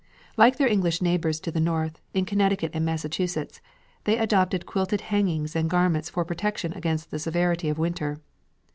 Like their English neighbours to the north, in Connecticut and Massachusetts, they adopted quilted hangings and garments for protection against the severity of winter.